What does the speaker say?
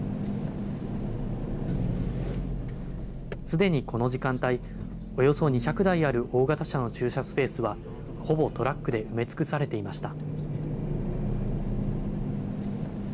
すでにこの時間帯、およそ２００台ある大型車の駐車スペースは、ほぼトラックで埋め尽くされていました。